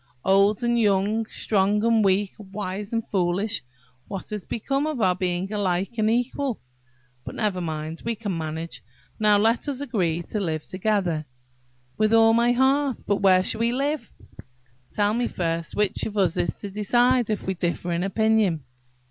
"Old and young–strong and weak–wise and foolish–what has become of our being alike and equal? But never mind, we can manage. Now let us agree to live together." "With all my heart. But where shall we live?" "Tell me first which of us is to decide, if we differ in opinion?"